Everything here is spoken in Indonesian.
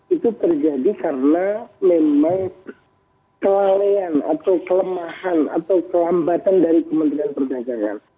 itu terjadi karena memang kelalaian atau kelemahan atau kelambatan dari kementerian perdagangan